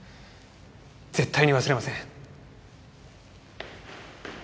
絶対に忘れません。